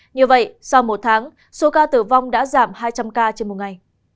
như vậy sau một tháng số ca tử vong đã giảm hai trăm linh ca trên một ngày